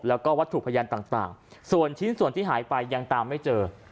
แล้วก็วัตถุพยานต่างส่วนชิ้นส่วนที่หายไปยังตามไม่เจอ